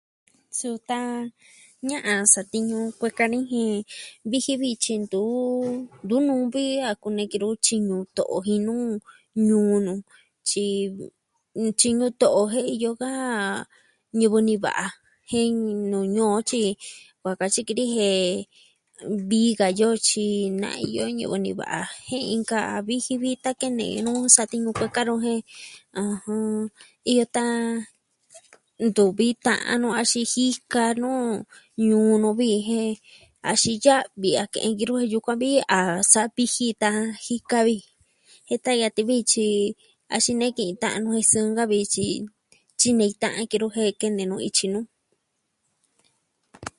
Su tan ña'an satiñu kue'e ka ni jin, viji vi tyi ntu, ntu nuvi a kunee ki nu tyi nuu to'o jin nuu ñuu nu tyi ntyinu to'o jen iyo ka ñivɨ niva'a jen nuu ñuu o tyi kuaa katyi ki ni jen vi ka yoo tyi na iyo ñivɨ niva'a jen inkaa viji vi ta kene nuu satiñu kueka nu jen, ɨjɨn... ntuvi ta'an nu axin jika nuu ñuu nu vi jen axin ya'vi a ke'en ki nu yukuan vi a sa'a viji tan jika vi. Jen ta yatin vi tyi iyo axin nee ki tan jen sɨɨ da vi tyi... tyinei ta'in kinu jen kene nu ityi nu.